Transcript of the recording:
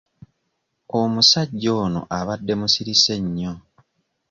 Omusajja ono abadde musirise nnyo.